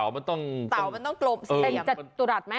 เป็นจรตุรัสมั้ย